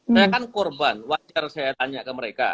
saya kan korban wajar saya tanya ke mereka